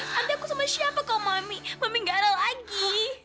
nanti aku sama siapa kau mami mami nggak ada lagi